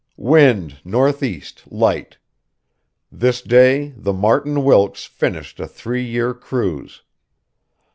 "Wind northeast, light. This day the Martin Wilkes finished a three year cruise.